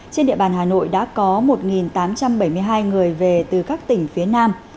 trên địa bàn hà nội đã có một tám trăm bảy mươi hai người về từ các tỉnh phía nam